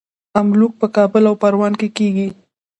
املوک په کابل او پروان کې کیږي.